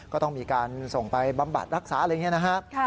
ก็ต้องมีการส่งไปบำบัดรักษาอะไรอย่างนี้นะครับ